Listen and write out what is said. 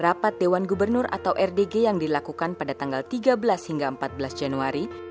rapat dewan gubernur atau rdg yang dilakukan pada tanggal tiga belas hingga empat belas januari